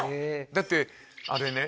だってあれね